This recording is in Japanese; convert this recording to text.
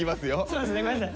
そうですねごめんなさい。